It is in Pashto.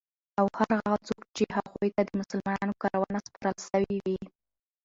او هر هغه څوک چی هغوی ته د مسلمانانو کارونه سپارل سوی وی